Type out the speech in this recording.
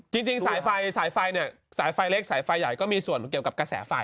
จริงสายไฟสายไฟเนี่ยสายไฟเล็กสายไฟใหญ่ก็มีส่วนเกี่ยวกับกระแสไฟ